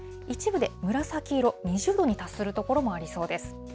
一部で紫色、２０度に達する所もありそうです。